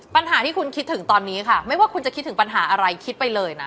ปัญหาที่คุณคิดถึงตอนนี้ค่ะไม่ว่าคุณจะคิดถึงปัญหาอะไรคิดไปเลยนะ